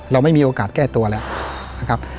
เราไม่มีโอกาสแก้ตัวแล้วนะครับ